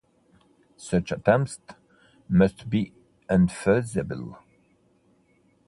Such attempts must be infeasible.